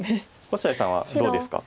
星合さんはどうですか？